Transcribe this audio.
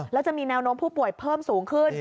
แล้วจะมีแนวโน้มผู้ป่วยเพิ่มสูงขึ้น